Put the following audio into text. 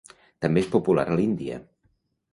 També és popular a l'Índia.